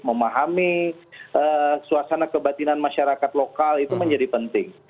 memahami suasana kebatinan masyarakat lokal itu menjadi penting